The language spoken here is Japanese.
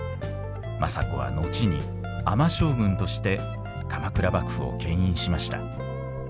政子は後に尼将軍として鎌倉幕府を牽引しました。